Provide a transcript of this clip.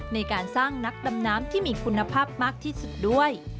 ในการสร้างนักดำน้ำที่มีคุณภาพมากที่สุดด้วย